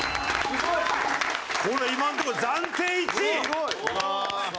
すごい！